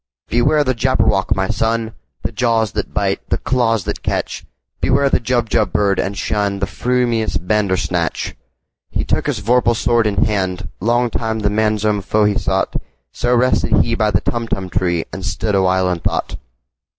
"Beware the Jabberwock, my son! The jaws that bite, the claws that catch! Beware the Jubjub bird, and shunThe frumious Bandersnatch!"He took his vorpal sword in hand:Long time the manxome foe he sought—So rested he by the Tumtum tree, And stood awhile in thought.